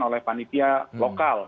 oleh panitia lokal